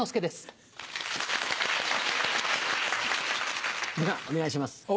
ではお願いします。